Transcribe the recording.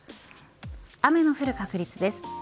雨の降る確率です。